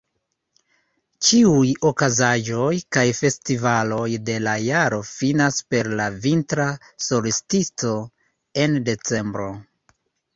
Ĉiuj okazaĵoj kaj festivaloj de la jaro finas per la Vintra solstico en Decembro.